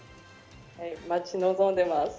待ち望んでます。